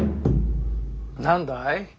何だい？